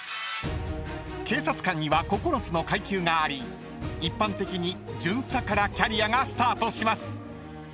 ［警察官には９つの階級があり一般的に巡査からキャリアがスタートします］